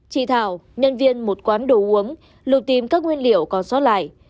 chị thảo nhân viên một quán đồ uống lục tìm các nguyên liệu còn xót lại